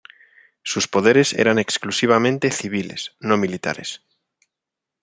Sus poderes eran exclusivamente civiles, no militares.